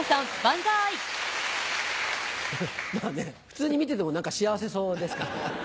まぁね普通に見てても何か幸せそうですから。